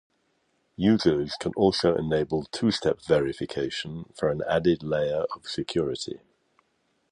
Users can also enable two-step verification for an added layer of security.